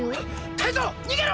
タイゾウにげろ！